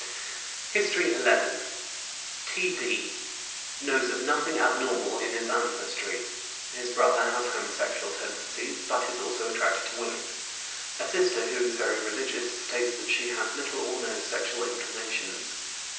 HISTORY XI. T.D., knows of nothing abnormal in his ancestry. His brother has homosexual tendencies, but is also attracted to women. A sister, who is very religious, states that she has little or no sexual inclinations.